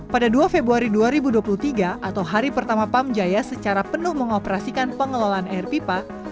pada dua februari dua ribu dua puluh tiga atau hari pertama pam jaya secara penuh mengoperasikan pengelolaan air pipa